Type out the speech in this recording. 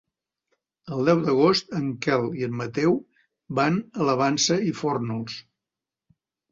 El deu d'agost en Quel i en Mateu van a la Vansa i Fórnols.